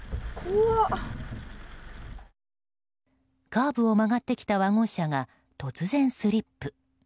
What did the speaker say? カーブを曲がってきたワゴン車が突然スリップ。